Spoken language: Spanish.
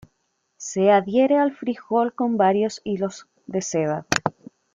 Se adhiere al frijol con varios hilos de seda.